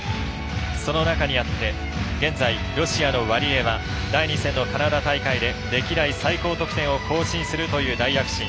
その中にあってロシアのワリエワ第２戦のカナダ大会で歴代最高得点を更新するという大躍進。